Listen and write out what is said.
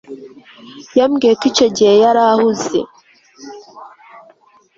Yambwiye ko icyo gihe yari ahuze